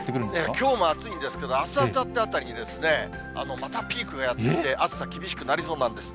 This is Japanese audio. きょうも暑いんですけど、あす、あさってあたりにまたピークがやって来て、暑さ、厳しくなりそうなんです。